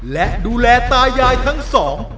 และดูแลตายายทั้งสอง